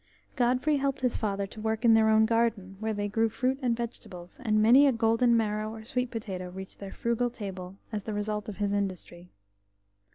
Godfrey helped his father to work in their own garden, where they grew fruit and vegetables, and many a golden marrow or sweet potato reached their frugal table as the result of his industry.